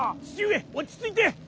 父上落ち着いて。